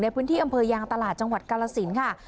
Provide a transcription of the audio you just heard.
ในพื้นที่อำเภอยางตลาดจังหวัดกาลสินค่ะ